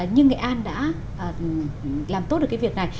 nhưng nghệ an đã làm tốt được cái việc này